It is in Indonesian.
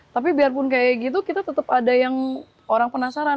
tapi biarpun kayak gitu kita tetap ada yang orang penasaran